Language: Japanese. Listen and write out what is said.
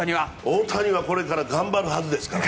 大谷はこれから頑張るはずです。